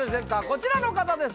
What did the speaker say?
こちらの方です